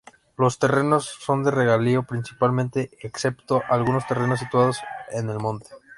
Los terrenos son de regadío principalmente, excepto algunos terrenos situados en el monte.